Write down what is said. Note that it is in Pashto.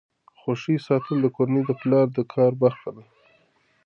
د خوښۍ ساتل د کورنۍ د پلار د کار برخه ده.